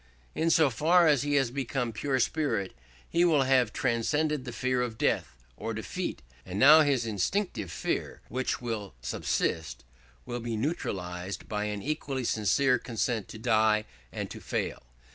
In so far as he has become pure spirit he will have transcended the fear of death or defeat; for now his instinctive fear, which will subsist, will be neutralised by an equally sincere consent to die and to fail.